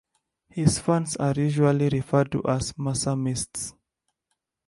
His fans are usually referred to as "Masamists".